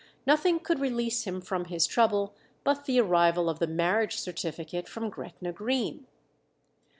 Nothing could release him from his trouble but the arrival of the marriage certificate from Gretna Green.